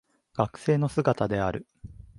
学生の姿である